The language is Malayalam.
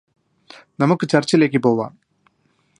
നമുക്ക് ചർച്ചിലേക്ക് പോവാം